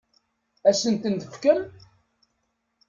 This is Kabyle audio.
Ad as-ten-tefkem?